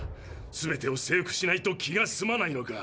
全てを征服しないと気が済まないのか？